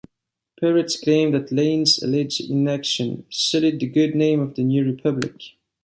Peretz claimed that Lane's alleged inaction "sullied the good name of the "New Republic".